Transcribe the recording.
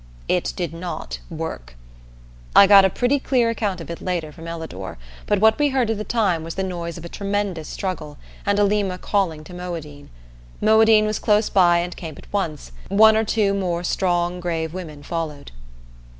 It did not work. I got a pretty clear account of it later from Ellador, but what we heard at the time was the noise of a tremendous struggle, and Alima calling to Moadine. Moadine was close by and came at once; one or two more strong grave women followed.